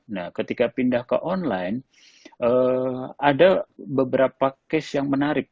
nah ketika pindah ke online ada beberapa case yang menarik